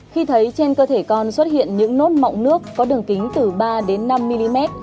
khi thấy trên cơ thể con xuất hiện những nốt mọng nước có đường kính từ ba đến năm mm